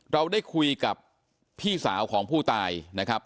เราได้คุยกับพี่สาวของผู้ตายนะครับ